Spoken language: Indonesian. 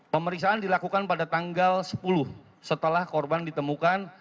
pemeriksaan dilakukan pada tanggal sepuluh setelah korban ditemukan